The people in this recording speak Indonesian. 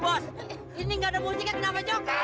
bos ini gak ada musiknya kenapa coklat